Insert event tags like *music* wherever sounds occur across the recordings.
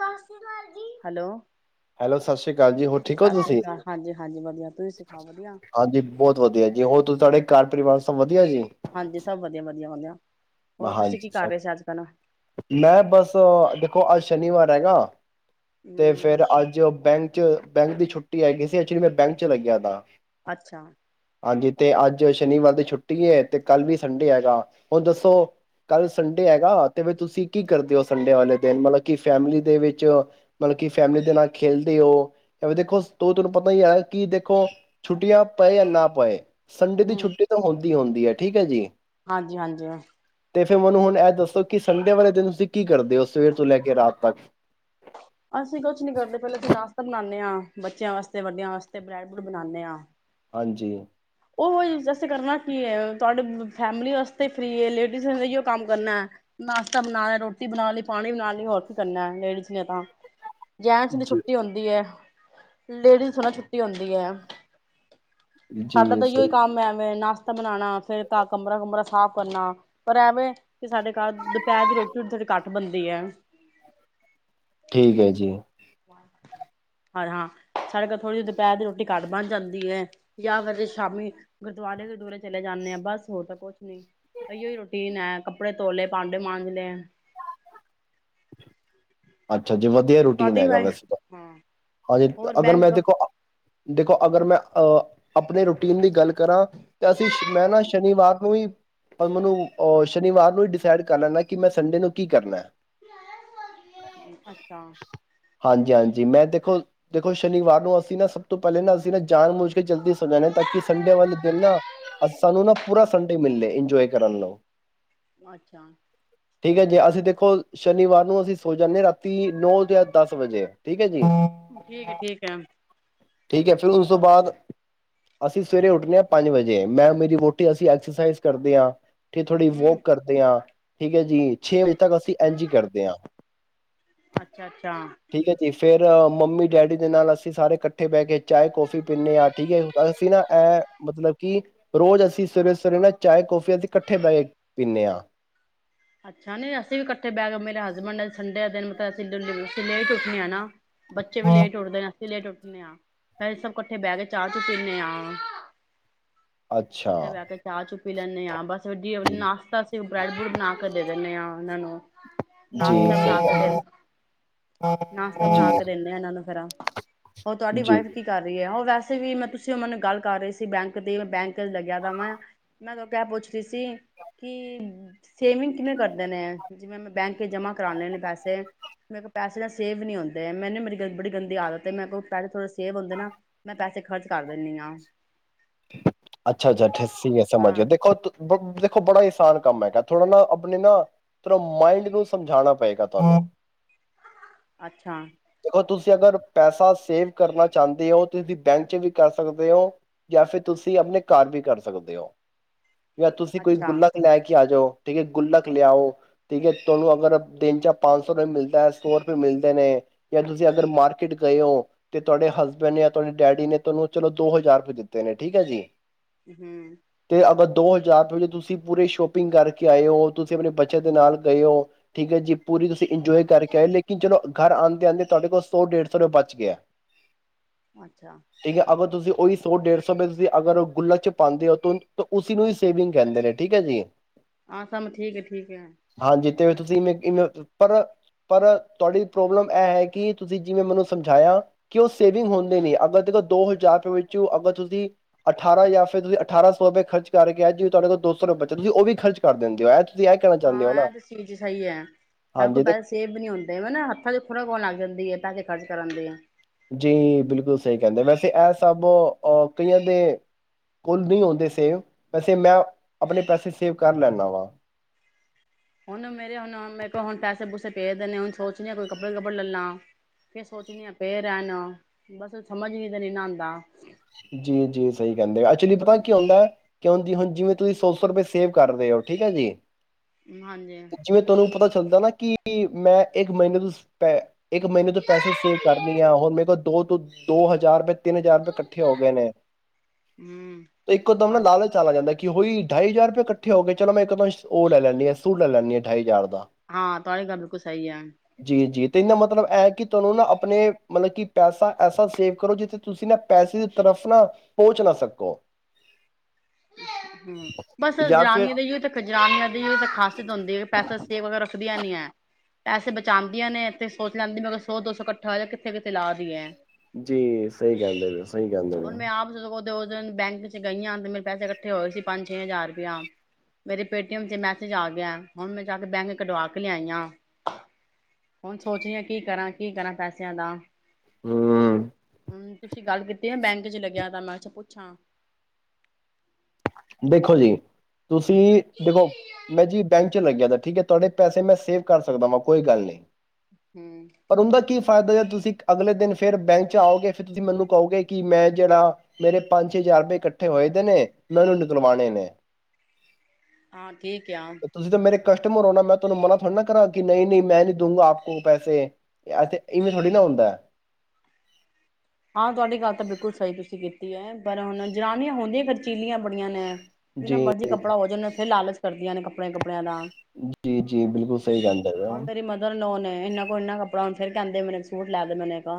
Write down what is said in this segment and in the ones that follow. ਸਤ ਸ਼੍ਰੀ ਕਾਲ ਜੀ, ਹੈਲੋ। ਹੈਲੋ, ਸਤ ਸ੍ਰੀ ਕਾਲ ਜੀ। ਹੋਰ ਠੀਕ ਹੋ ਸਤਿ ਸ੍ਰੀ ਤੁਸੀਂ? ਅਕਾਲ ਹਾਂਜੀ ਹਾਂਜੀ ਵਧੀਆ ਤੁਸੀਂ ਸਿਖਾਓ ਵਧੀਆ ਹਾਂਜੀ, ਬੌਤ ਵਧੀਆ ਜੀ। ਹੋਰ ਤੂ ਤਾਡੇ ਘਰ ਪਰਿਵਾਰ ਸਭ ਵਧੀਆ ਜੀ। ਹਾਂਜੀ, ਸਭ ਵਧੀਆ ਵਧੀਆ ਵਧਆ। ਬ ਹਾਂਜੀ, ਸਭ ਵਧ ਮੈਂ ਬਸ, ਦੇਖੋ ਅਜ ਸ਼ਨੀਵਾਰ ਹੈਗਾ। ਤੇ ਹਮ ਫੇਰ ਅੱਜ ਬੈਂ ਕੀ ਚ ਬੈਂਕ ਦੀ ਛੁੱਟੀ ਹੈਗੀ ਸੀ। ਐਕਚਲੀ, ਮੈਂ ਬੈਂਕ ਚ ਲੱਗਿਆ ਦਾਂ। ਅੱਛਾ। ਹਾਂਜੀ ਤੇ ਅੱਜ ਸ਼ਨੀਵਾਰ ਦੀ ਛੁੱਟੀ ਏ, ਤੇ ਕੱਲ ਵੀ ਸੰਡੇ ਹੈਗਾ ਹੁਣ ਦੱਸੋ ਕੱਲ ਸੰਡੇ ਹੈਗਾ ਤੇ ਵੇ ਤੁਸੀਂ ਕੀ ਕਰਦੇ ਔ ਸੰਡੇ ਵਾਲੇ ਦਿਨ ਮਤਲਬ ਕੀ ਫੈਮਿਲੀ ਦੇ ਵਿੱਚ ਮਤਲਬ ਕੀ ਫੈਮਲੀ ਦੇ ਨਾਲ ਖੇਲਦੇ ਔ? ਐਵੇ ਦੇਖੋ ਤੋ ਤਾਨੂੰ ਪਤਾ ਈ ਐ ਕਿ ਦੇਖੋ ਛੁੱਟੀਆਂ ਪਏ ਯਾ ਨਾ ਪਏ ਸੰਡੇ ਦੀ ਹਮ ਛੁੱਟੀ ਤਾਂ ਹੁੰਦੀ ਹੁੰਦੀ ਐ, ਠੀਕ ਹੈ ਜੀ। ਹਾਂਜੀ ਹਾਂਜੀ ਤੇ ਫੇਰ ਮੈਨੂੰ ਹੁਣ ਐ ਦੱਸੋ, ਕਿ ਸੰਡੇ ਵਾਲੇ ਦਿਨ ਤੁਸੀਂ ਕੀ ਕਰਦੇ ਔ ਸਵੇਰ ਤੋਂ ਲੈ ਕੇ ਰਾਤ ਤੱਕ। ਅਸੀਂ ਕੋਛ ਨੀ ਕਰਦੇ ਪੈਲੇ ਤੇ ਨਾਸ਼ਤਾ ਬਣਾਦੇ ਆਂ। ਬੱਚਿਆਂ ਵਾਸਤੇ ਵੱਡਿਆਂ ਵਾਸਤੇ ਬ੍ਰੈਡ ਬਰੂਡ ਬਣਾਣੇ ਆਂ। ਹਾਂਜੀ। ਔਹੀ ਅਸੀਂ ਕਰਨਾ ਕੀ ਏ, ਤੁਹਾਡੇ ਫੈਮਲੀ ਵਾਸਤੇ ਈ ਫ੍ਰੀ ਏ ਲੇਡੀਜ਼ ਨੇ ਅਈਔ ਕੰਮ ਕਰਨੈ ਨਾਸ਼ਤਾ ਬਣਾਯਾ ਰੋਟੀ ਬਣਾ ਲੀ ਪਾਣੀ ਬਣਾ ਲੀ ਹੋਰ ਕੀ ਕਰਨੈ ਲੇਡੀਜ਼ ਨੇ ਤਾਂ। ਜੈਣਸ ਦੀ ਜੀ ਛੁੱਟੀ ਹੁੰਦੀ ਏ। ਲੇਡੀਜ਼ ਥੋੜਾ ਨਾ ਛੁੱਟੀ ਹੁੰਦੀ ਏ। ਸਾਡਾ ਜੀ ਤਾਂ ਐਹੀਓ ਸਹੀ ਕੰਮ ਐਵੇਂ ਨਾ ਸ਼ਤਾ ਬਣਾਣਾ ਫੇਰ ਘਾ ਕਮਰਾ ਕੁਮਰਾ ਸਾਫ਼ ਕਰਨਾ। ਪਰ ਐ ਵੇਂ ਕਿ ਸਾਡੇ ਘਰ ਦੁਪੈਰ ਦੀ ਰੋਟੀ ਹੁਣ ਥੋੜੀ ਘੱਟ ਬਣਦੀ ਏ। ਠੀਕ ਹੈ ਜੀ। ਅਰ ਹਾਂ, ਸਾਡੇ ਘਰ ਥੋੜ੍ਹੀ ਜੀ ਦੁਪੈਰ ਦੀ ਰੋਟੀ ਘੱਟ ਬਣ ਜਾਂਦੀ ਏ। ਯਾ ਫੇਰ ਰ ਸ਼ਾਮੀ ਗੁਰਦੁਆਰੇ ਗੁਰਦੂਰੇ ਚਲੇ ਜਾਂਣੇ ਆ ਬਸ ਹੋਰ ਤਾਂ ਕੋਛ ਨਹੀਂ, ਅਹੀਔ ਰੂਟੀਨ ਹੈ ਕੱਪੜੇ ਧੋ ਲੇ ਭਾਂਡੇ ਮਾਂਜ ਲੇ। *unintelligible* ਅੱਛਾ ਜੀ ਵਧੀਆ ਰੂਟੀਨ ਤੁਹਾਡੀ ਹੈਗਾ ਵਾਈ ਵੈਸੇ ਤਾਂ ਹਾਂ ਹਾਂਜੀ ਹੋਰ ਅਗਰ ਮੈਂ ਬੈਂਕ ਦੇਖੋ, ਦੇਖੋ ਅਗਰ ਮੈਂ ਆ ਆਪਣੀ ਰੂਟੀਨ ਦੀ ਗੱਲ ਕਰਾਂ, ਤੇ ਅਸੀਂ ਮੈਂ ਨਾ ਸ਼ਨੀਵਾਰ ਨੂੰ ਵੀ, ਪਰ ਮੈਨੂੰ ਅ ਸ਼ਨੀਵਾਰ ਨੂੰ ਹੀ ਡਿਸਾਈਡ ਕਰ ਲੈਂਨਾ ਕਿ ਮੈਂ ਸੰਡੇ ਨੂੰ ਕੀ ਕਰਨਾ। ਅੱਛਾਂ, ਹਾਂਜੀ ਹਾਂਜੀ ਮੈਂ ਦੇਖੋ ਦੇਖੋ ਸ਼ਨੀਵਾਰ ਨੂੰ ਅਸੀਂ ਨਾ ਸਭ ਤੋਂ ਪਹਿਲੇ ਨਾ ਅਸੀਂ ਨਾ ਜਾਣ ਬੁੱਝ ਕੇ ਜਲਦੀ ਸੋ ਜਾਦੇ ਹਾਂ ਤਾਂ ਕਿ ਸੰਡੇ ਵਾਲੇ ਦਿਨ ਨਾ ਸਾਨੂੰ ਨਾ ਪੂਰਾ ਸੰਡੇ ਮਿਲੇ ਇੰਜੋਏ ਕਰਨ ਨੂੰ, ਅੱਛਾ ਠੀਕ ਐ ਜੇ ਅਸੀਂ ਦੇਖੋ। ਸ਼ਨੀਵਾਰ ਨੂੰ ਅਸੀਂ ਸੋ ਜਾਂਨੇ ਆ ਰਾਤੀ ਨੌ ਜਾ ਦਸ ਵੱਜੇ ਠੀਕ ਐ ਜੀ, ਠੀਕ ਠੀਕ ਐ। ਠੀਕ ਐ ਫਿਰ ਉਸ ਤੋਂ ਬਾਅਦ ਅਸੀਂ ਸਵੇਰੇ ਉੱਠਣੇ ਹਾਂ ਪੰਜ ਵੱਜੇ ਮੈਂ ਮੇਰੀ ਵਹੁਟੀ ਅਸੀਂ ਐਕਸਰਸਾਈਜ਼ ਕਰਦੇ ਆ। ਕੀ ਥੋੜ੍ਹੀ ਹਮ ਵੋਕ ਕਰਦੇ ਆ। ਠੀਕ ਐ ਜ ਜੀ ਛੇ ਵਜੇ ਤੱਕ ਅਸੀਂ, ਇੰਜ ਈ ਕਰਦੇ ਆ। ਅੱਛਾ ਅੱਛਾ ਠੀਕ ਐ ਜੀ ਫਿ ਫੇਰ ਮੰਮੀ ਡੈਡੀ ਦੇ ਨਾਲ ਅਸੀਂ ਸਾਰੇ ਇਕੱਠੇ ਬਹਿ ਕੇ, ਚਾਹੇ ਕੌਫੀ ਪੀਂਨੇ ਆ ਠੀਕ ਐ ਜੀ ਅਸੀਂ ਨਾ ਐ ਮਤਲਬ ਕਿ ਰੋਜ਼ ਅਸੀਂ ਸਵੇਰੇ ਸਵੇਰੇ ਨਾ ਚਾਏ ਕੌਫੀ ਅੱਜ ਇਕੱਠੇ ਬਹਿ ਕੇ ਪੀਂਨੇ ਆ। ਅੱਛਾ ਨੀ ਅਸੀਂ ਵੀ ਕੱਠੇ ਬਹਿ ਕੇ ਮੇਰੇ ਹਸਬੈਂਡ ਨੇ ਸੰਡੇ ਦਿਨ ਮਤਲਬ ਅਸੀ ਲੇਟ ਈ ਉੱਠਣੇ ਆ ਨਾ, ਬੱਚੇ ਵੀ ਲੇਟ ਉੱਠਦੇ ਨੇ ਅਸੀਂ ਲੇਟ ਉੱਠ ਉਠਣੇ ਆ ਫਿਰ ਸਭ ਇਕੱਠੇ ਬਹਿ ਕੇ ਚਾਹ ਚੁ ਪੀਨਾ ਆ। ਅੱਛਾ ਉੱਥੇ ਬਹਿ ਕੇ ਚਾਹ ਚੁ ਪੀ ਲੇਨੇ ਆ ਬਸ, *unintelligible* ਨਾਸਤਾ ਸੀ। ਬ੍ਰੈਡ ਬਰੁਡ ਬਣਾ ਕੱਢ ਦਿੰਨੇ ਆ ਉਹਨਾਂ ਨੂੰ, ਜੀ ਨਾਸ਼ਤਾ ਬਣਾ ਸਹੀ ਕੇ ਦੇਨ ਨਾਸ਼ਤਾ ਗੱਲ ਬਣਾ ਕੇ ਜੀ ਦਿੰਨੇ ਆ ਇਹਨਾਂ ਨੂੰ ਫਿਰ, ਉਹ ਤੁਹਾਡੀ ਜੀ ਵਾਈਫ ਕੀ ਕਰ ਰਹੀ ਐ ਉਹ ਵੈਸ ਵ ਵੀ ਮੈਂ ਤੁਸੀਂ ਉਹਨਾ ਨਾਲ ਗੱਲ ਕਰ ਰਹੀ ਸੀ ਬੈਂਕ ਦੀ ਮੈਂ ਬੈਂਕ ਲੱਗਿਆ *unintelligible* ਵਾ ਮੈਂ ਮੈਂ ਕਿਆ ਪੁੱਛ ਰਹੀ ਸੀ ਕਿ ਸੇਵਿੰਗ ਕਿਵੇਂ ਕਰਦੇ ਨੇ ਜਿਵੇਂ ਮੈਂ ਬੈਂਕ ਜਮਾਂ ਕਰਾਣੇ ਨੇ ਪੈਸੇ ਮੇਰੇ ਕੋਲ ਪੈਸੇ ਨਾ ਸੇਵ ਨਹੀਂ ਹੁੰਦੇ ਮੈਨੂੰ ਮੇਰੀ *unintelligible* ਗਰ ਬੜੀ ਗੰਦੀ ਆਦਤ ਹੈ, ਮੈਂ ਕੋਲ ਪੈਸੇ ਥੋੜੇ ਸੇਵ ਹੁੰਦੇ ਨਾ ਮੈਂ ਪੈਸੇ ਖਰਚ ਕਰ ਦਿੰਨੀ ਆ। ਅੱਛਾ ਅੱਛਾ ਠੇਸੀ ਮੈਂ ਸਮਝ ਗਿਆ ਦੇਖੋ। ਦੇਖੋ ਬੜਾ ਆਸਾਨ ਕੰਮ ਹੈਗਾ ਥੋੜਾ ਨਾ ਆਪਣੇ ਨਾ ਥੋੜਾ ਨਾ ਮਾਇੰਡ ਨੂੰ ਸਮਝਾਣਾ ਪਏਗਾ ਤੁਹਾਨੂੰ, ਅੱਛਾ, ਦੇਖੋ ਤੁਸੀਂ ਅਗਰ ਪੈਸਾ ਸੇਵ ਕਰਨਾ ਚਾਹੁੰਦੇ ਹੋ, ਤੁ ਤੁਸੀਂ ਬੈਂਕ ਚ ਵੀ ਕਰ ਸਕਦੇ ਹੋ, ਜਾਂ ਫੇਿਰ ਤੁ ਤੁਸੀਂ ਆਪਣੇ ਘਰ ਵੀ ਕਰ ਸਕਦੇ ਹੋ ਜਾਂ, ਤੁਸੀਂ ਕੋਈ ਅੱਛਾ ਗੁਲਕ ਲੈ ਕੇ ਆ ਜਾਓ ਠੀਕ ਹੈ, ਗੁੱਲਕ ਲਿਆਓ ਠੀਕ ਹੈ, ਤੁਹਾਨੂੰ ਅਗਰ ਦਿਨ ਚ ਪੰਜ ਸੌ ਰੁਪਏ ਮਿਲਦਾ ਆ, ਸੋ ਰੁਪਏ ਮਿਲਦੇ ਨੇ ਜਾਂ, ਤੁਸੀਂ ਅਗਰ ਮਾਰਕੀਟ ਗਏ ਉ, ਤੇ ਤੁਹਾਡੇ ਹਸਬੈਂਡ ਜਾਂ ਤੁਹਾਡੇ ਡੈਡੀ ਨੇ, ਤੁਹਾਨੂੰ ਚਲੋ ਦੋ ਹਜ਼ਾਰ ਰੁਪਏ ਦਿੱਤੇ ਨੇ ਠੀਕ ਹੈ ਜੀ ਹਮ ਤੇ ਅਗਰ ਦੋ ਹਜ਼ਾਰ ਰੁਪਏ ਚ, ਤੁਸੀਂ ਪੂਰੇ ਸ਼ੋਪਿੰਗ ਕਰਕੇ ਆਏ ਹੋ, ਤੁਸੀਂ ਆਪਣੇ ਬੱਚੇ ਦੇ ਨਾਲ ਗਏ ਹੋ ਠੀਕ ਹੈ ਜੀ ਪੂਰੀ ਤੁਸੀਂ ਇੰਜੋਏ ਕਰਕੇ ਆਏ, ਲੇਕਿਨ ਚਲੋ ਘਰ ਆਉਂਦੇ ਆਉਂਦੇ, ਤੁਹਾਡੇ ਕੋਲ ਸੌ ਡੇਢ ਸੌ ਰੁਪਏ ਬਚ ਗਿਆ ਅੱਛਾ ਠੀਕ ਹੈ ਅਗਰ ਤੁਸੀਂ, ਉਹੀ ਸੌ ਡੇਢ ਸੌ ਰੁਪਏ ਤੁਸੀਂ ਅਗਰ, ਉਹ ਗੁਲਕ ਚ ਪਾਉਂਦੇ ਹੋ, ਤੇ ਉਸੀ ਨੂੰ ਹੀ ਸੇਵਿੰਗ ਕਹਿੰਦੇ ਨੇ ਠੀਕ ਹੈ ਜੀ ਆਹ, ਸਾਮ ਠੀਕ ਹੈ ਠੀਕ ਹੈ ਹਾਂਜੀ ਤੇ ਤੁਸੀਂ ਇਮੇ ਇਮੇ, ਪਰ ਪਰ ਤੁਹਾਡੀ ਪ੍ਰੋਬਲਮ ਇਹ ਹੈ ਕਿ ਤੁਸੀਂ ਜਿਵੇਂ ਮੈਨੂੰ ਸਮਝਾਇਆ, ਕਿ ਉਹ ਸੇਵਿੰਗ ਹੁੰਦੇ ਨੀ, ਅਗਰ ਤੇ ਦੋ ਹਜ਼ਾਰ ਰੁਪਏ ਵਿੱਚ ਅਗਰ ਤੁਸੀਂ ਅਠਾਰਾਂ ਹਜ਼ਾਰ ਜਾਂ ਫਿਰ ਤੁਸੀਂ ਅਠਾਰਾਂ ਸੌ ਰੁਪਏ ਖਰਚ ਕਰਕੇ, ਜਿਵੇਂ ਤੁਹਾਡੇ ਕੋਲ ਦੋ ਸੌ ਰੁਏ ਬਚਨ, ਤੁਸੀਂ ਵੀ ਖਰਚ ਦਿੰਦੇ ਇਹ ਤੁਸੀਂ ਇਹ ਕਹਿਣਾ ਚਾਹੁੰਦੇ ਹੋ ਹਾਂ, ਨਾ ਇਹ ਤੇ ਚੀਜ਼ ਸਹੀ ਹੈ, ਸਾਡੇ ਹਾਂਜੀ ਕੋਲ ਤੇ ਪੈਸੇ ਸੇਵ ਨਹੀਂ ਹੁੰਦੇ ਹਨਾ, ਹੱਥਾਂ ਚ ਖੁਰਕ ਹੋਣ ਲੱਗ ਜਾਂਦੀ ਹੈ ਤਾਂ ਕੇ ਖਰਜ ਕਰਾ ਦੀਆ ਜੀ ਬਿਲਕੁਲ ਸਹੀ ਕਹਿੰਦੇ, ਵੈਸੇ ਇਹ ਸਭ ਆ ਕਈਆਂ ਦੇ ਕੋਲ ਨਹੀਂ ਹੁੰਦੇ ਸੇਵ, ਵੈਸੇ ਮੈਂ ਆਪਣੇ ਪੈਸੇ ਸੇਵ ਕਰ ਲੈਣਾ ਵਾਂ ਹੁਣ ਮੇਰੇ ਹੁਣ ਮ ਮੇਰੇ ਕੋਲ ਪੈਸੇ ਪੂਸੇ ਪਏ ਦੇ ਨੇ, ਹੁਣ ਸੋਚਣੀ ਆਈ ਕੱਪੜੇ ਕੱਪੜੇ ਲੈਲਾ, ਫੇਰ ਸੋਚਣੀ ਆ ਪਏ ਰਹਿਣ, ਬਸ ਸਮਝ ਵੀ ਤੇ ਨਹੀਂ ਨਾ, ਆਦਾ ਜੀ ਜੀ ਸਹੀ ਕਹਿੰਦੇ ਆ, ਅਚੁਲੀ ਪਤਾ ਕੀ ਹੁੰਦਾ, ਕਿਉ ਦੀ ਹੁਣ, ਜਿਵੇਂ ਤੁਸੀਂ ਸੋ ਸੋ ਰੁਪਏ ਸੇਵ ਕਰ ਰਹੇ ਹੋ ਠੀਕ ਹੈ ਜੀ ਹਾਂਜੀ ਜਿਵੇਂ ਤੁਹਾਨੂੰ ਪਤਾ ਚੱਲਦਾ ਨਾ ਕਿ, ਮੈਂ ਇੱਕ ਮਹੀਨੇ ਤੋਂ ਪੈ ਇੱਕ ਮਹੀਨੇ ਤੋਂ ਪੈਸੇ ਸੇਵ ਕਰਨੀ ਆ ਹੁਣ, ਮੇਰੇ ਕੋਲ ਦੋ ਤੋਂ ਦੋ ਹਜ਼ਾਰ ਰੁਪਏ ਤਿੰਨ ਹਜ਼ਾਰ ਰੁਪਏ ਖਰ ਇਕੱਠੇ ਹੋ ਗਏ ਨੇ, ਹੂੰ ਇੱਕੋ ਦਮ ਨਾ ਲਾਲਚ ਚਾਲ ਆ ਜਾਂਦਾ ਕਿ ਹੋਈ ਢਾਈ ਹਜ਼ਾਰ ਰੁਪਏ ਇਕੱਠੇ ਹੋ ਗਏ, ਚਲ ਮੈਂ ਇੱਕਦ ਉਹ ਲੈ ਲੈਂਦੀ ਹਾਂ ਸੂਟ ਲੈ ਲੈਂਦੀ ਆ, ਢਾਈ ਹਜ਼ਾਰ ਦਾ ਹਾਂ, ਤੁਹਾਡੀ ਗੱਲ ਬਿਲਕੁਲ ਸਹੀ ਐ ਜੀ, ਜੀ ਤੇ ਇਨਾ ਮਤਲਬ ਇਹ ਹੈ, ਕਿ ਤੁਹਾਨੂੰ ਨਾ ਆਪਣੇ, ਮਤਲਬ ਕਿ ਪੈਸਾ ਐਸਾ ਸੇਵ ਕਰੋ ਜਿੱਥੇ ਤੁਸੀਂ ਨਾ ਪੈਸੇ ਦੀ ਤਰਫ ਨਾ, ਪਹੁੰਚ ਨਾ ਸਕੋ ਹਮ ਬਸ ਜਾਂ ਫਿਰ ਜਨਾਨੀਆਂ ਦੀ ਇਉ ਖਾ, ਜਨਾਨੀਆਂ ਦੀ ਇਉ ਤੇ ਖਾਸੀਅਤ ਹੁੰਦੀ ਹੈ, ਪੈਸਾ ਸੇਵ ਰੱਖਦੀਆਂ ਨੀ ਆ ਪੈਸੇ ਬਚਾਉਂਦੀਆਂ ਨੇ ਤੇ ਸੋਚ ਲੈਂਦੀ ਮੈਂਕੋ, ਸੌ ਦੋ ਸੌ ਇਕੱਠਾ ਹੋਇਆ ਹੈ, ਕਿੱਥੇ ਕਿੱਥੇ ਲਾ ਦਿਏ ਜੀ ਸਹੀ ਕਹਿੰਦੇ ਪਏ ਉ, ਸਹੀ ਕਹਿੰਦੇ ਪਏ ਉ ਦੋ ਦਿਨ ਬੈਂਕ ਚ ਗਈਆਂ ਤੇ, ਮੇਰੇ ਪੈਸੇ ਇਕੱਠੇ ਹੋਏ ਸੀ, ਪੰਜ ਛੇ ਹਜ਼ਾਰ ਰੁਪਇਆ, ਮੇਰੇ ਪੇਟੀਐਮ ਚ ਮੈਸੇਜ ਆ ਗਿਆ, ਹੁਣ ਮੈਂ ਜਾ ਕੇ ਬੈਂਕ ਕਢਵਾ ਕੇ ਲਿਆਈ ਆ, ਹੁਣ ਸੋਚ ਰਹੀ ਆ, ਕੀ ਕਰਾਂ ਕੀ ਕਰਾਂ ਪੈਸਿਆਂ ਦਾ ਹਮ ਹਮ ਤੁਸੀਂ ਗੱਲ ਕੀਤੀ ਆ, ਬੈਂਕ ਚ ਲੱਗਿਆ ਤਾਂ ਮੈਂ ਕਿਹਾ, ਪੁੱਛਾ ਦੇਖੋ ਜੀ, ਤੁਸੀਂ ਦੇਖੋ ਮੈਂ ਜੀ ਬੈਂਕ ਚ ਲੱਗਿਆ ਤਾਂ ਠੀਕ ਹੈ, ਤੁਹਾਡੇ ਪੈਸੇ ਮੈਂ ਸੇਵ ਕਰ ਸਕਦਾ ਵਾਂ, ਕੋਈ ਗੱਲ ਨਹੀਂ ਹਮ ਪਰ ਊਹਦਾ ਕੀ, ਫ ਫਾਇਦਾ ਜ, ਤੁਸੀਂ ਅਗਲੇ ਦਿਨ ਫੇਰ ਬੈਂਕ ਚ ਆਓਗੇ, ਫਿਰ ਤੁਸੀਂ ਮੈਨੂੰ ਕਹੋਗੇ ਕਿ ਮੈਂ ਜਿਹੜਾ, ਮੇਰੇ ਪੰਜ ਛੇ ਹਜ਼ਾਰ ਰੁਪਏ ਇਕੱਠੇ ਹੋਏ ਦੇ ਨੇ ਮੈਨੂੰ ਨੁਕਲਵਾਣੇ ਨੇ ਹਾਂ ਠੀਕ ਆ ਤੁਸੀਂ ਤਾਂ ਮੇਰੇ ਕਸਟਮਰ ਆਉਣ ਨਾ ਮੈਂ ਤੁਹਾਨੂੰ ਮਨ੍ਹਾ ਥੋੜੀ ਨਾ ਕਰਾਂ ਕਿ ਨਹੀਂ ਨਹੀਂ ਮੈਂ ਨੀ ਦਊਗਾ ਆਪ ਕੋ ਪੈਸੇ ਇਵੇਂ ਥੋੜੀ ਨਾ ਹੁੰਦਾ ਹਾਂ ਤੁਹਾਡੀ ਗੱਲ ਤਾਂ ਬਿਲਕੁਲ ਸਹੀ ਤੁਸੀਂ ਕੀਤੀ ਕੀ ਐ ਪਰ ਹੁਣ ਜਨਾਨੀਆਂ ਹੁੰਦੀਆਂ ਖਰਚੀਲੀਆਂ ਬੜੀਆਂ ਨੇ ਜਿਨਾ ਜੀ, ਮਰਜ਼ੀ ਕੱਪੜਾ ਹੋ ਜਨ ਇੱਥੇ ਲਾਲਚ ਕਰਦਿਆਂ ਨੇ ਕੱਪੜੇ -ਕੱਪੜੇ ਕੱਪੜਿਆਂ ਦਾ ਜੀ, ਜੀ ਬਿਲਕੁਲ ਸਹੀ ਕਹਿੰਦੇ ਪਏ ਹੋ। ਹੁਣ ਮੇਰੀ ਮਦਰ ਇਨ ਲਾਅ ਨੇ ਇਹਨਾਂ ਕੋਲ ਇਨਾਂ ਕੱਪੜੇ ਥੋੜਾ ਹੁਣ ਫਿਰ ਕਹਿੰਦੇ ਮੈਨੂੰ ਇਕ ਸੂਟ ਲੈ ਦੇ ਮੈਨੇ ਕੋ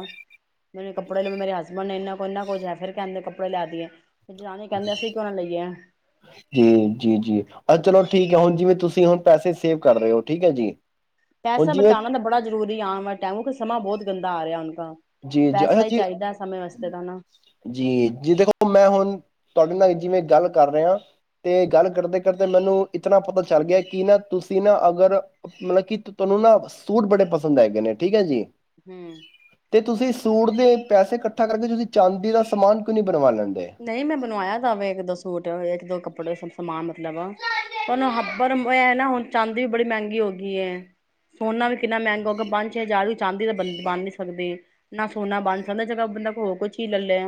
ਮੈਨੂੰ ਇਕ ਕੱਪੜੇ ਲ ਮੇਰੇ ਹਸਬੈਂਡ ਇੰਨਾਂ ਕੋ ਇੰਨਾ ਕੁਝ ਹੈ ਫਿਰ ਕਹਿੰਦੇ ਕੱਪੜੇ ਲਿਆ ਦੀਏ ਜਨਾਨੀ ਕਹਿੰਦੇ ਅਸੀਂ ਕਿਉਂ ਨਾ ਲਈਏ ਜੀ ਜੀ ਜੀ ਅ ਚਲੋ ਠੀਕ ਹੈ ਹੁਣ ਜਿਵੇਂ ਤੁਸੀਂ ਹੁਣ ਪੈਸੇ ਸੇਵ ਕਰ ਰਹੇ ਹੋ ਠੀਕ ਹੈ ਜੀ ਹੁਣ ਪੈਸਾ ਜਿਵੇਂ ਬਚਾਉਣਾ ਤਾਂ ਬੜਾ ਜ਼ਰੁਰੀ ਆਉਣ ਵਾਲੇ ਟਾਈਮ ਸਮਾਂ ਬਹੁਤ ਗੰਦਾ ਆ ਰਿਹਾੁ ਹੁਣ ਜੀ ਜੀ ਅੱਛਾ ਜੀ ਤਾਂ ਨਾ ਜੀ ਜੀ ਦੇਖੋ ਮੈਂ ਹੁਣ ਤੁਹਾਡੇ ਨਾਲ ਜਿਵੇਂ ਗੱਲ ਕਰ ਰਹੇਹਾ ਤੇ ਗੱਲ ਕਰਦੇ ਕਰਦੇ ਮੈਨੂੰ ਇਤਨਾ ਪਤਾ ਚੱਲ ਗਿਆ ਕਿ ਨਾ ਤੁਸੀਂ ਨਾ ਅਗਰ ਮਤਲਬ ਤੁਹਾਨੂੰ ਨਾ ਸੂਟ ਬੜੇ ਪਸੰਦ ਹੈਗੇ ਨੇ ਠੀਕ ਹੈ ਜੀ ਹੂ ਤੇ ਤੁਸੀਂ ਸੂਟ ਦੇ ਪੈਸੇ ਇਕੱਠਾ ਕਰਕੇ ਤੁਸੀਂ ਚਾਂਦੀ ਦਾ ਸਮਾਨ ਕਿਉਂ ਨੀ ਬਣਵਾ ਲੈਂਦੇ ਨਹੀਂ ਮੈਂ ਬਣਵਾਇਆ ਤਾਂਵੇ ਇੱਕ ਦੋ ਸੂਟ ਇੱਕ ਦੋ ਕੱਪੜੇ ਬੜੇ ਸਬ ਸਮਾਨ ਮਤਲਬ ਤੁਨੂੰ ਹੱਬਰ ਇਹ ਨਾ ਹੁਣ ਚਾਂਦੀ ਵੀ ਬੜੀ ਮਹਿੰਗੀ ਹੋ ਗਈ ਏ ਸੋਨਾ ਵੀ ਕਿੰਨਾ ਮਹਿੰਗਾ ਹੋਗਾ ਪੰਜ ਛੇ ਹਜ਼ਾਰ ਵੀ ਚਾਂਦੀ ਤਾਂ ਬੰ ਬਣ ਨੀ ਸਕਦੀ ਨਾ ਸੋਨਾ ਬਣ ਸਕਦਾ ਜ ਬੰਦਾ ਕੋ ਹੋਰ ਕੋਈ ਚੀਜ਼ ਲੈ ਲਿਆ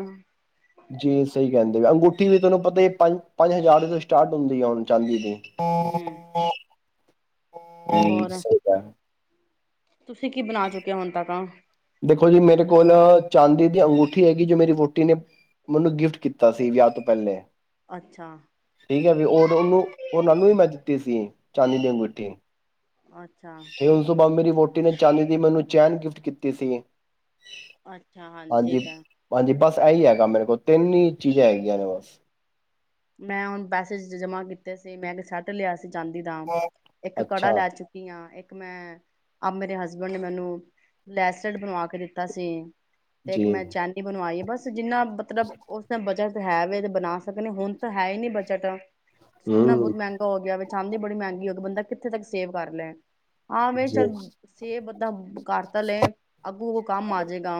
ਜੀ ਸਹੀ ਕਹਿੰਦੇ ਵੀ ਅੰਗੂਠੀ ਵੀ ਤੁਹਾਨੂੰ ਪਤਾ ਪੰਜ ਪੰਜ ਹਜ਼ਾਰ ਤੋਂ ਸਟਾਰਟ ਹੁੰਦੀ ਆ ਹੁਣ ਚਾਂਦੀ ਦੀ ਹਮ। ਤੇ ਹੋਰ ਸਹੀ *unintelligible* ਤੁਸੀਂ ਕੀ ਬਣਾ ਚੁੱਕਿਆ ਹੁਣ ਤੱਕ ਆ ਦੇਖੋ ਜੀ ਮੇਰੇ ਕੋਲ ਚਾਂਦੀ ਦੀ ਅੰਗੂਠੀ ਹੈਗੀ ਜੋ ਮੇਵੋਟੀ ਟੀ ਨੇ ਮੈਨੂੰ ਗਿਫਟ ਕੀਤਾ ਸੀ ਵਿਆਹ ਤੋਂ ਪਹਿਲੇ ਅੱਛਾ। ਠੀਕ ਹੈ ਵੀ ਰ ਉਹਨੂੰ ਉਹ ਉਹ ਨੂੰ ਵੀ ਮੈਂ ਦਿੱਤੀ ਸੀ ਚਾਂਦਨੀ ਦੀ ਅੰਗੁਠੀ ਅੱਛਾ ਇਹ ਉਸ ਤੋ ਬਾਦ ਮੇਰੀ ਵੋਟ ਆਂਟੀ ਨੇ ਚਾਂਦੀ ਦੀ ਮੈਨੂੰ ਚੈਨ ਗਿਫਟ ਕੀਤੀ ਸੀ ਅੱਛਾ ਹਾਂਜੀ ਠੀਕ ਹੈ ਐਹੀ ਹੈਗਾ ਮੇਰੇ ਕੋਲ ਤਿੰਨ ਹੀ ਚੀਜ਼ਾਂ ਹੈਗੀਆਂ ਨੇ ਬਸ ਮੈਂ ਹੁਣ ਪੈਸੇ ਜਮਾ ਕੀਤੇ ਸੀ ਮੈਂ ਕਿ ਸੈਟ ਲਿਆ ਸੀ ਜਾਂਦੀ ਦਾ ਇੱਕ ਕੜਾ ਅੱਛਾ ਲੈ ਚੁੱਕੀ ਹਾਂ ਇੱਕ ਮੈਂ ਆਪ ਮੇਰੇ ਹਸਬੈਂਡ ਨੇ ਮੈਨੂੰ ਬਰੈਸਲੈਟ ਬਣਵਾ ਕੇ ਦਿੱਤਾ ਸੀ ਤੇ ਇੱਕ ਜੀ ਮੈਂ ਚਾਂਦੀ ਬਣਵਾਈ ਐ ਬਸ ਜਿੰਨਾ ਮਤਲਬ ਉਸ ਟਾਈਮ ਬਚਤ ਹੈ ਵ ਤੇ ਬਣਾ ਸਕਣੇ ਹੁਣ ਤਾਂ ਹੈ ਹੀ ਨੀ ਬਜਤ ਸੋਨਾ ਹਮ ਬਹੁਤ ਮਹਿੰਗਾ ਹੋ ਗਿਆ ਵੇ ਚਾਂਦੀ ਬੜੀ ਮਹਿੰਗੀ ਹੋਵੇ ਬੰਦਾ ਕਿੱਥੇ ਤੱਕ ਸੇਵ ਕਰ ਲੈ ਹਾਂ ਬਈ ਚੱਲ ਜੀ ਸੇਬ ਦਾਂ ਕਰਤਾ ਲਏ ਅੱਗੂ ਕੰਮ ਆਜੇਗਾ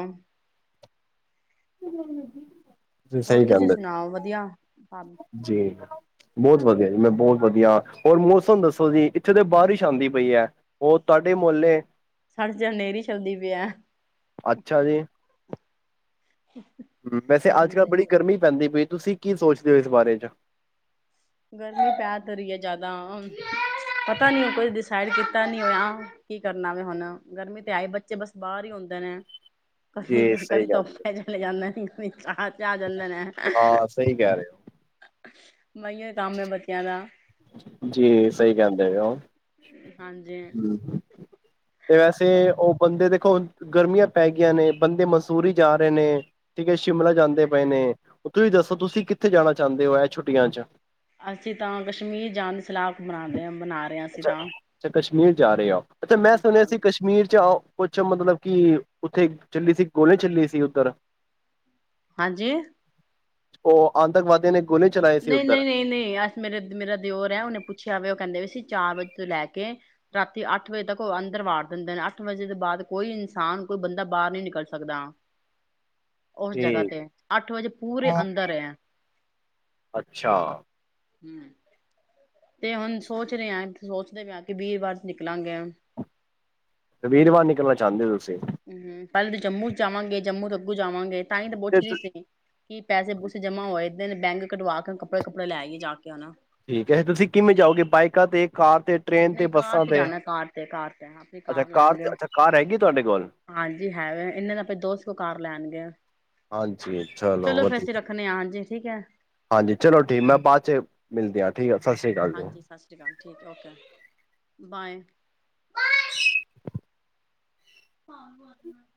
ਹਮ *unintelligible* ਹੋਰ ਤੁਸੀਂ ਸੁਣਾਓ ਵਧੀਆ। ਜੀ ਬਹੁਤ ਵਧੀਆ ਜੀ ਮੈਂ ਬਹੁਤ ਵਧੀਆ, ਹੋਰ ਮੌਸਮ ਦੱਸੋ ਜੀ ਇੱਥੇ ਤਾਂ ਬਾਰਿਸ਼ ਆਦੀ ਪਈ ਐ ਹੋਰ ਤੁਹਾਡੇ ਮੁਹੱਲੇ ਸਾਡੇ 'ਚ ਹਨੇਰੀ ਛਬਦੀ ਪਈ ਐ। ਅੱਛਾ ਜੀ ਹੂੰ ਵੈਸੇ ਅੱਜ-ਕੱਲ੍ਹ ਹਾਂਜੀ ਬੜੀ ਗਰਮੀ ਪੈਂਦੀ ਪਈ ਤੁਸੀਂ ਕੀ ਸੋਚਦੇ ਹੋ ਇਸ ਬਾਰੇ 'ਚ ਗਰਮੀ ਪੈ ਤਾਂ ਰਹੀ ਐ ਜਿਆਦਾ। ਪਤਾ ਨੀ ਉਹ ਕੁਝ *unintelligible* ਸਾਈਡ ਕੀਤਾ ਨੀ ਹੋਇਆ, ਕੀ ਕਰਨਾ ਵੇ ਹੁਣ ਗਰਮੀ ਤੇ ਆਏ ਬੱਚੇ ਬਸ ਬਾਹਰ ਹੀ ਹੁੰਦੇ ਨੇ। ਕਦੀ, ਜੀ ਸਹੀ ਕਦੀ ਕਹਿੰਦੇ ਹੋ। ਧੁੱਪੇ ਚਲੇ ਜਾਨੇ ਆਹ 'ਚ ਆ ਜਾਂਦੇ ਨੇ। ਹਾਂ ਸਹੀ ਕਹਿ ਰਹੇ *unintelligible* ਕੰਮ ਐ ਬੱਚਿਆਂ ਦਾ। ਜੀ ਸਹੀ ਕਹਿੰਦੇ ਓ। ਹਾਂਜੀ ਹੂੰ, ਤੇ ਵੈਸੇ ਉਹ ਬੰ ਦੇ ਦੇਖੋ ਗਰਮੀਆਂ ਪੈ ਗਈਆਂ ਨੇ ਬੰਦੇ ਮਸੂਰੀ ਜਾ ਰਹੇ ਨੇ, ਠੀਕ ਹੈ ਸ਼ਿਮਲਾ ਜਾਂਦੇ ਪਏ ਨੇ, ਤੁਸੀਂ ਦੱਸੋ ਤੁਸੀਂ ਕਿੱਥੇ ਜਾਣਾ ਚਾਹੁੰਦੇ ਹੋ ਇਹ ਛੁੱਟੀਆਂ ਚ? ਅਸੀਂ ਤਾਂ ਕਸ਼ਮੀਰ ਜਾਣ ਦੀ ਸਲਾਹ ਬਨਾਨੇ ਆ ਬਨਾ ਰਹੇ ਹਾਂ ਅਸੀਂ ਤਾਂ। ਮੀਰ ਜਾ ਰਹੇ ਓ ਆਪ। ਮੈਂ ਸੁਣਿਆ ਸੀ ਕਸ਼ਮੀਰ ਚ ਆਓ ਕੁੱਛ ਮਤਲਬ ਕਿ, ਉੱਥੇ ਚੱਲੀ ਸੀ ਗੋਲੀ ਚੱਲੀ ਸੀ ਉੱਧਰ। ਹਾਂਜੀ ਉਹ ਆਤੰਕਵਾਦੀਆਂ ਨੇ ਗੋਲੇ ਚਲਾਏ ਸੀ ਨਹੀਂ ਉੱਧਰ ਨਹੀਂ ਨਹੀਂ ਨਹੀਂ ਅਸ ਮੇਰੇ ਮੇਰਾ ਦਿਓਰ ਐ ਉਹਨੇ ਪੁੱਛਿਆ ਵੀ ਉਹ ਕਹਿੰਦੇ ਵੀ ਸੀ ਚਾਰ ਵਜੇ ਤੋਂ ਲੈ ਕੇ, ਰਾਤੀ ਅੱਠ ਵਜੇ ਤੱਕ ਉਹ ਅੰਦਰ ਵਾੜ ਵਾਰ ਦਿੰਦੇ ਨੇ ਅੱਠ ਵਜੇ ਤੋਂ ਬਾਅਦ ਕੋਈ ਇਨਸਾਨ ਕੋਈ ਬੰਦਾ ਬਾਹਰ ਨੀ ਨਿਕਲ ਸਕਦਾ। ਉਸ ਜਗ੍ਹਾ ਠੀਕ ਤੇ ਅੱਠ ਵਜੇ ਪੂਰੇ ਅੰਦਰ ਏ। ਅੱਛਾ ਹੂੰ, ਤੇ ਹੁਣ ਸੋਚ ਰਹੇ ਆ ਕਿ ਸੋਚਦੇ ਪਏ ਆ ਕਿ ਵੀਰਵਾਰ ਨਿਕਲਾਂਗੇ। ਤੇ ਵੀਰਵਾਰ ਨਿਕਲਣਾ ਚਾਂਦੇ ਓ। ਹੂੰ ਪਹਿਲੇ ਤੇ ਜੰਮੂ ਜਾਵਾਂਗੇ ਜੰਮੂ ਤੋਂ ਅੱਗੋ ਜਾਵਾਂਗੇ ਤਾਂਹੀ ਤਾਂ ਤੇ ਪੁੱਛ ਰਹੀ ਸੀ। ਕਿ ਪੈਸੇ-ਪੂਸੇ ਜਮਾ ਹੋਏ ਏਦੇ ਬੈਂਕ ਕਢਵਾ ਕੇ ਕੱਪੜੇ- ਕੁੱਪੜੇ ਲੈ ਆਈਏ ਜਾ ਕੇ ਹੁਣ। ਠੀਕ ਹੈ ਤੁਸੀਂ ਕਿਵੇਂ ਜਾਓਗੇ ਬਾਈਕਾਂ ਤੇ ਕਾਰ ਤੇ ਟ੍ਰੇਨ ਨਹੀਂ ਕਾਰ ਬੱਸਾਂ ਤੇ ਜਾਣਾ ਕਾਰ ਤੇ ਕਾਰ ਤੇ ਹਾਂਜੀ ਅੱਛਾ ਕਾਰ ਨਾਲ ਏ। ਤੇ ਅੱਛਾ ਕਾਰ ਹੈਗੀ ਤੁਹਾਡੇ ਕੋਲ ਹਾਂਜੀ ਹੈ ਵੇ ਇਹਨਾਂ ਦਾ *unintelligible* ਦੋ ਸੌ ਕਾਰ ਲੈਣ ਗਿਆ। ਹਾਂਜੀ ਚਲੋ ਫਿਰ ਅਸੀਂ ਵਧੀਆ ਰੱਖਣੇ ਆ ਹਾਂਜੀ ਠੀਕ ਏ। ਹਾਂਜੀ ਚਲੋ ਠੀਕ ਮੈਂ ਬਾਅਦ *unintelligible* ਜੀ ਹਾਂਜੀ, ਸਤਿ ਸ਼੍ਰੀ ਅਕਾਲ ਠੀਕ ਔ ਕੇ, ਬਾਏ ਸ਼ *unintelligible* ਹਾਂ ਬ *unintelligible*